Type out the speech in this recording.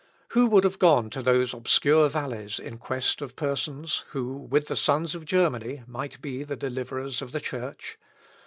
Who would have gone to those obscure valleys in quest of persons who, with the sons of Germany, might be the deliverers of the Church?